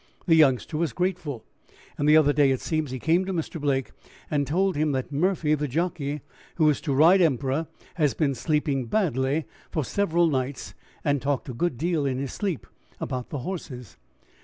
The youngster was grateful, and the other day, it seems, he came to Mr. Blake and told him that Murphy, the jockey who is to ride Emperor, had been sleeping badly for several nights, and talked a good deal in his sleep about the horses.